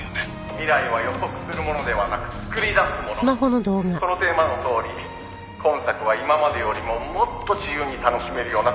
「“未来は予測するものではなく作り出すもの”」「このテーマのとおり今作は今までよりももっと自由に楽しめるような作品になります」